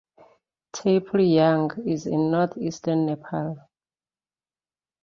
Taplejung is in northeastern Nepal.